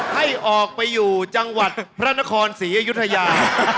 ให้ออกไปอยู่จังหวัดพระนครศรีอยุธยา